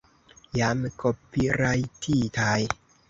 Jam kopirajtitaj